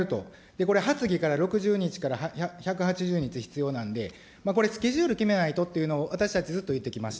これ、発議から６０日から１８０日必要なんで、これ、スケジュール決めないとっていうのを私たちずっと言ってきました。